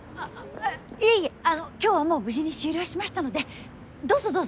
ええ今日はもう無事に終了しましたのでどうぞどうぞ。